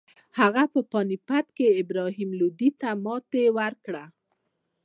هغه په پاني پت کې ابراهیم لودي ته ماتې ورکړه.